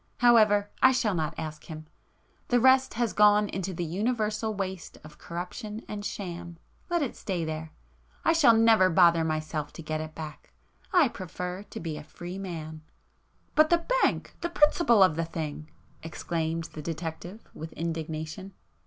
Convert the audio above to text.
However, I shall not ask him. The rest has gone into the universal waste of corruption and sham—let it stay there! I shall never bother myself to get it back. I prefer to be a free man." "But the bank,—the principle of the thing!" exclaimed the detective with indignation.